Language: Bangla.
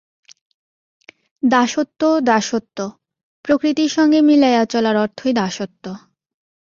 দাসত্ব, দাসত্ব! প্রকৃতির সঙ্গে মিলাইয়া চলার অর্থই দাসত্ব।